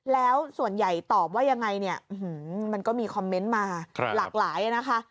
แล้วส่วนใหญ่ตอบว่ายังไงเนี่ยมันก็มีคอมเมนต์มาหลากหลายนะคะ